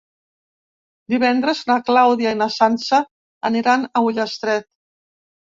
Divendres na Clàudia i na Sança aniran a Ullastret.